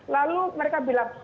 lalu mereka bilang